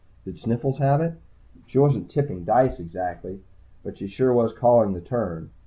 Did Sniffles have it? She wasn't tipping dice, exactly, but she sure was calling the turn.